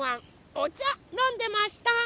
おちゃのんでました。